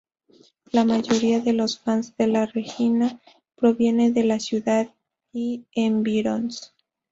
La mayoría de los fans de la Reggina proviene de la ciudad y environs.